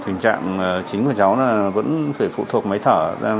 tình trạng chính của cháu là vẫn phải phụ thuộc máy thở ra